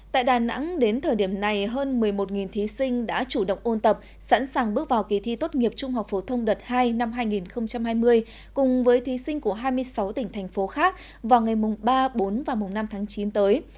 tại đà nẵng đến thời điểm này hơn một mươi một thí sinh đã chủ động ôn tập sẵn sàng bước vào kỳ thi tốt nghiệp trung học phổ thông đợt hai năm hai nghìn hai mươi cùng với thí sinh của hai mươi sáu tỉnh thành phố khác vào ngày ba bốn và năm tháng chín tới